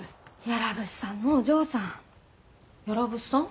屋良物産のお嬢さん。